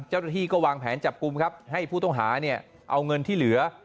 เจ้าหน้าที่ก็วางแผนจับกลุ่มครับให้ผู้ต้องหาเนี่ยเอาเงินที่เหลือ